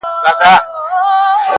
• دغه د اور ځنځير ناځوانه ځنځير.